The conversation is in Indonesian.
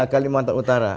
ini kalimantan utara